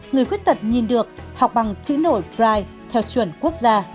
người khuyết tật nhìn được học bằng chữ nổi bright theo chuẩn quốc gia